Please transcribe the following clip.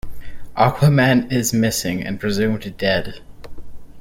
Aquaman is missing and presumed dead.